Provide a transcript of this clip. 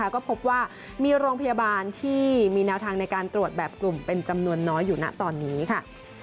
ก็พบว่ามีโรงพยาบาลที่มีแนวทางในการตรวจแบบกลุ่มเป็นจำนวนน้อยอยู่นะตอนนี้ค่ะ